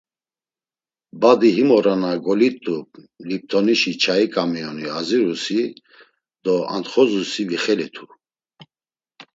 Badi him ora na golit̆u Lipt̆onişi çai kamioni aziru do antxozusi vixelitu!